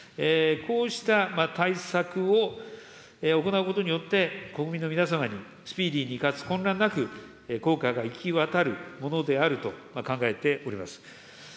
こうした対策を行うことによって、国民の皆様に、スピーディーにかつ混乱なく効果が行き渡るものであると考えております。